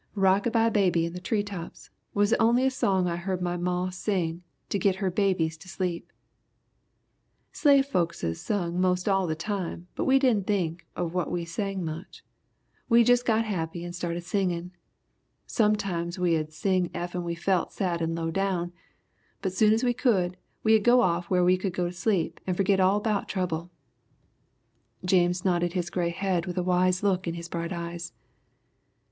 "'Rockabye baby in the tree trops' was the onliest song I heard my maw sing to git her babies to sleep. Slave folkses sung most all the time but we didn' think of what we sang much. We jus' got happy and started singin'. Sometimes we 'ud sing effen we felt sad and lowdown, but soon as we could, we 'ud go off whar we could go to sleep and forgit all 'bout trouble!" James nodded his gray head with a wise look in his bright eyes.